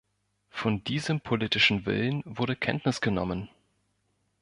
Von diesem politischen Willen wurde Kenntnis genommen.